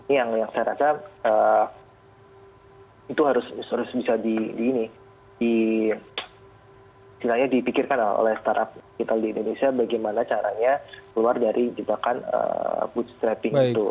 ini yang saya rasa itu harus bisa dipikirkan oleh startup kita di indonesia bagaimana caranya keluar dari jebakan food trapping itu